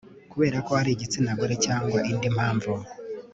kubera ko ari igitsina gore cyangwa indi mpamvu